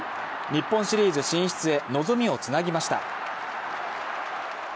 日本シリーズ進出へ望みをつなぎました。